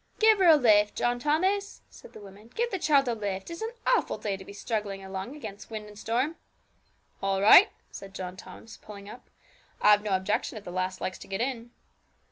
'Give her a lift, John Thomas,' said the woman; 'give the child a lift. It's an awful day to be struggling along against wind and storm.' 'All right,' said John Thomas, pulling up; 'I've no objections, if the lass likes to get in.'